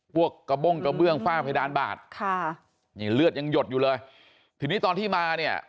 กระบ้งกระเบื้องฝ้าเพดานบาทค่ะนี่เลือดยังหยดอยู่เลยทีนี้ตอนที่มาเนี่ย